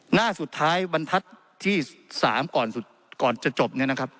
หน้าสุดท้ายบรรทัศน์ที่๓ก่อนจะจบเนี่ยนะครับ